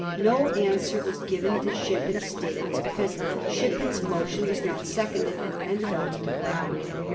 No answer was given to Shippen's statements, because Shippen's motion was not seconded and fell to the groimd.